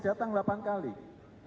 datang delapan kalilla lel jal sexaks